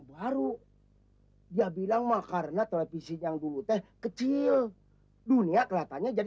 baru dia bilang mah karena televisi yang dulu teh kecil dunia kelihatannya jadi